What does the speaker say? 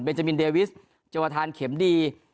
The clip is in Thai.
จามินเดวิสจวทานเข็มดี